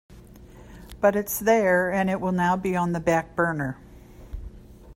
But it's there and it will now be on the back burner.